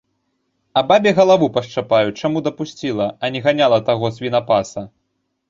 А бабе галаву пашчапаю, чаму дапусціла, а не ганяла таго свінапаса.